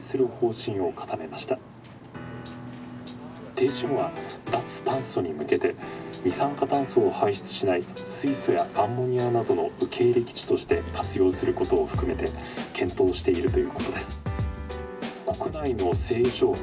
「停止後は脱炭素に向けて二酸化炭素を排出しない水素やアンモニアなどの受け入れ基地として活用することを含めて検討しているということです」。